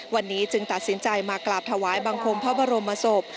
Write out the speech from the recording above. วันนี้จึงตัดสินใจมากราบถวายบังคมพระบรมศพ